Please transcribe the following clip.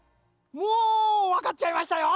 もうわかっちゃいましたよ！